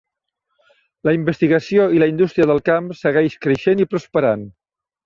La investigació i la indústria del camp segueix creixent i prosperant.